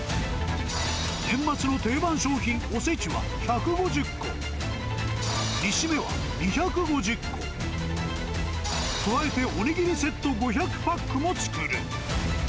年末の定番商品、おせちは１５０個、煮しめは２５０個、加えて、おにぎりセット５００パックも作る。